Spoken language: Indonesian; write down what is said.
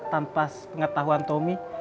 tanpa pengetahuan tommy